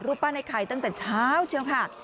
รูปปั้นไอ้ไข่ตั้งแต่เช้าเชียวค่ะ